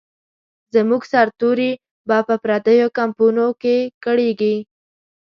زموږ سرتوري به په پردیو کمپونو کې کړیږي.